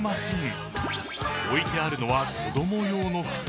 ［置いてあるのは子供用の靴］